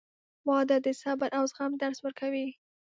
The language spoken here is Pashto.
• واده د صبر او زغم درس ورکوي.